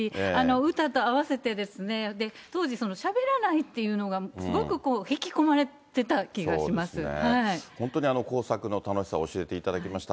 歌と合わせてですね、当時、しゃべらないっていうのが、本当に工作の楽しさを教えていただきました。